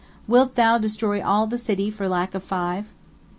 Wilt Thou destroy all the city for lack of five?"